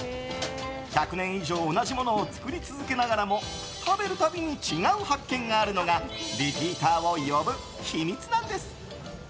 １００年以上同じものを作りながらも食べる度に違う発見があるのがリピーターを呼ぶ秘密なんです。